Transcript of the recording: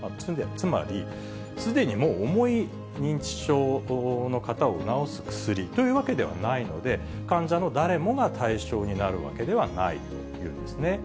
つまり、すでにもう重い認知症の方を治す薬というわけではないので、患者の誰もが対象になるわけではないというんですね。